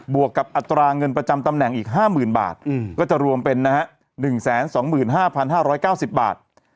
วกกับอัตราเงินประจำตำแหน่งอีก๕๐๐๐บาทก็จะรวมเป็นนะฮะ๑๒๕๕๙๐บาท